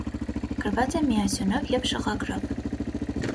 Գրված է միասյունով և շղագրով։